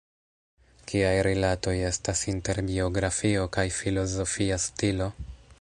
Kiaj rilatoj estas inter biografio kaj filozofia stilo?